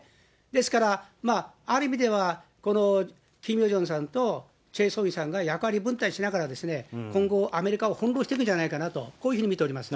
ですから、ある意味ではこのキム・ヨジョンさんとチェ・ソニさんが役割分担しながら、今後アメリカを翻弄していくんじゃないかなと、こういうふうに見ております。